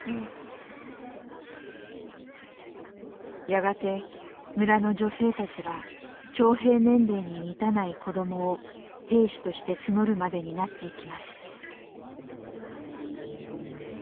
やがて村の女性たちは徴兵年齢に満たない子供を兵士として募るまでになっていきます。